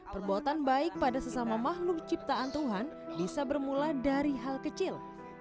perbuatan baik pada sesama makhluk ciptaan tuhan bisa bermula dari hal kecil